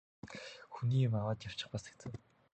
Хүний юм аваад явчих бас хэцүү.